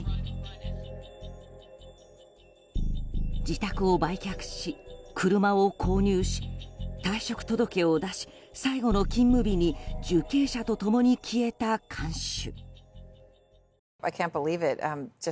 自宅を売却し、車を購入し退職届を出し最後の勤務日に受刑者と共に消えた看守。